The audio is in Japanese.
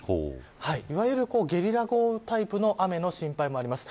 いわゆる、ゲリラ豪雨タイプの雨の心配もあります。